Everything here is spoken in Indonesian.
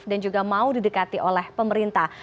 dan juga mau didekati oleh pemerintah